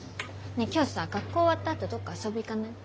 ねえ今日さ学校終わったあとどっか遊び行かない？